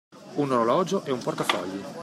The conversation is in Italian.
Un orologio e un portafogli